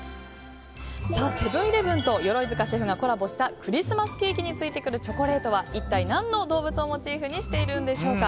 セブン‐イレブンと鎧塚シェフがコラボしたクリスマスケーキについてくるチョコレートは一体何の動物をモチーフにしているんでしょうか。